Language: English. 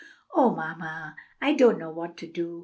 "O mamma, I don't know what to do!